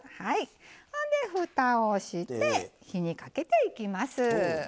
ほんでふたをして火にかけていきます。